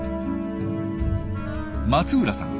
松浦さん